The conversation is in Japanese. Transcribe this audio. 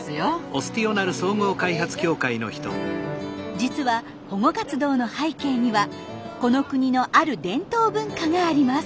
実は保護活動の背景にはこの国のある伝統文化があります。